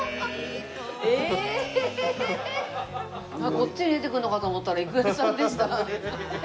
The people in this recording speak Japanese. こっちに出てくるのかと思ったら郁恵さんでした。